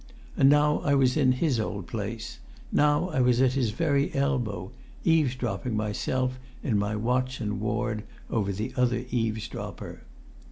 And now I was in his old place, now I was at his very elbow, eavesdropping myself in my watch and ward over the other eavesdropper.